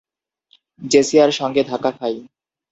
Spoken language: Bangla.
জেসিয়ার সাথে ধাক্কা খাই।